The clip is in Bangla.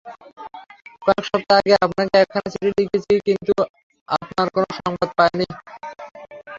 কয়েক সপ্তাহ আগে আপনাকে একখানা চিঠি লিখেছি, কিন্তু আপনার কোন সংবাদ পাইনি।